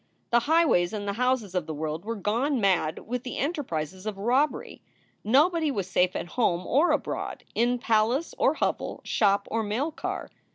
The highways and the houses of the world were gone mad with the enterprises of robbery. Nobody was safe at home or abroad, in palace or hovel, shop or mail car.